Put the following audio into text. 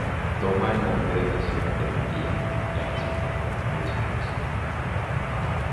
Toma el nombre de la ciudad de Almería, la más importante de su costa.